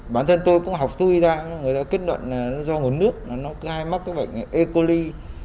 bản thân tôi cũng học thu y ra người ta kết luận là nó do nguồn nước nó gai mắc cái bệnh e coli